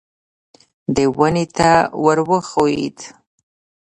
دی ونې ته ور وښوېد.